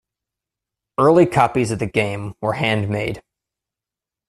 Early copies of the game were handmade.